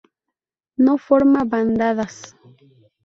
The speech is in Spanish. No forma bandadas.